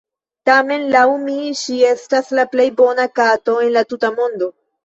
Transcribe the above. Tamen, laŭ mi, ŝi estas la plej bona kato en la tuta mondo.